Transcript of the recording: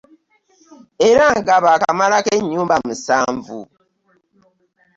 Era nga baakamalako ennyumba musanvu